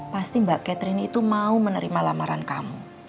pasti mbak catherine itu mau menerima lamaran kamu